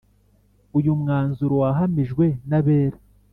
Uyu mwanzuro wahamijwe n’abera